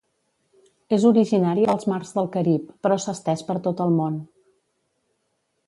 És originària dels mars del Carib però s'ha estès per tot el món.